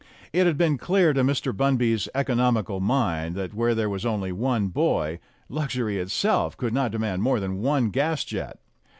It had been clear to Mr. Bunby's economical mind that where there was only one boy, luxury itself could not demand more than one gas jet.